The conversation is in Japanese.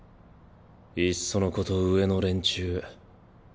いっそのこと上の連中